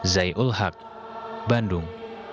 zai ul haq bandung